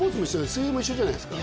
水泳も一緒じゃないですか？